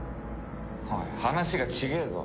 おい話が違えぞ。